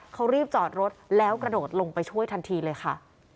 เขารีบจอดรถแล้วกระโดดลงไปช่วยทันทีเลยค่ะ